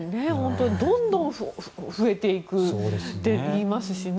どんどん増えていくって言いますしね。